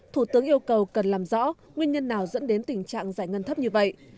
thủ tướng yêu cầu cần làm rõ nguyên nhân nào dẫn đến tình trạng giải ngân thấp như vậy